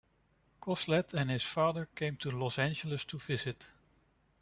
Coslet and his father came to Los Angeles to visit.